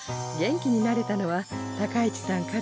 元気になれたのは高市さん